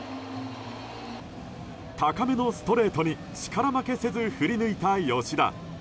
高めのストレートに力負けせず振り抜いた吉田。